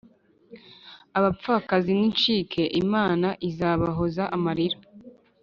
Abapfakazi nincike imana izabahoza amarira